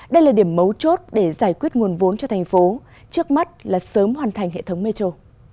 đây là điểm mấu chốt để giải quyết nguồn vốn cho thành phố trước mắt là sớm hoàn thành hệ thống metro